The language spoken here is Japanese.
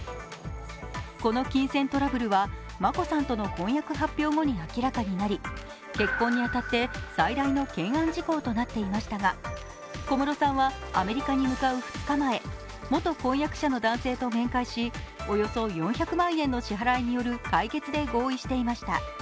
この金銭トラブルは、眞子さんとの婚約発表後に明らかとなり、結婚に当たって最大の懸案事項となっていましたが小室さんはアメリカに向かう２日前、元婚約者の男性と面会しおよそ４００万円の支払いによる解決で合意していました。